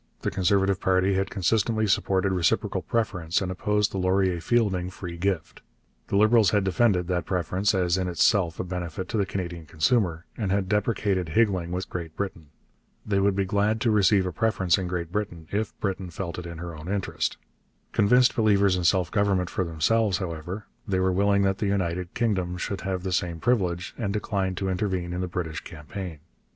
The Conservative party had consistently supported reciprocal preference and opposed the Laurier Fielding free gift. The Liberals had defended that preference as in itself a benefit to the Canadian consumer, and had deprecated higgling with Great Britain. They would be glad to receive a preference in Great Britain if Britain felt it in her own interest. Convinced believers in self government for themselves, however, they were willing that the United Kingdom should have the same privilege, and declined to intervene in the British campaign.